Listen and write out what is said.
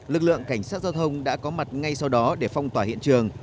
lực lượng cảnh sát giao thông đã có mặt ngay sau đó để phong tỏa hiện trường